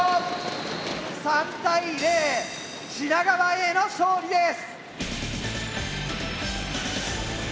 ３対０品川Ａの勝利です！